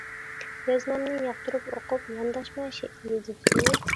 يازمامنى ياقتۇرۇپ ئوقۇپ يانداشما شېئىر يېزىپسىز.